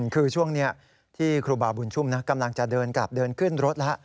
คือช่วงนี้ที่ครูบาบุญชุ่มกำลังจะเดินกลับเดินขึ้นรถแล้ว